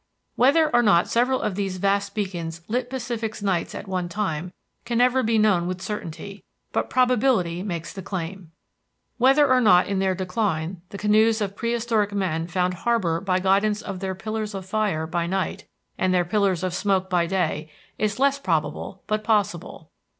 Whether or not several of these vast beacons lit Pacific's nights at one time can never be known with certainty, but probability makes the claim. Whether or not in their decline the canoes of prehistoric men found harbor by guidance of their pillars of fire by night, and their pillars of smoke by day is less probable but possible.